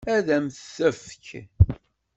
Ad m-t-tefk?